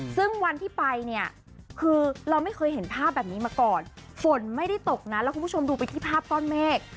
ซึ่งวันที่ไปเนี่ยคือเราไม่เคยเห็นภาพแบบนี้มาก่อนฝนไม่ได้ตกนะแล้วคุณผู้ชมดูไปที่ภาพก้อนเมฆ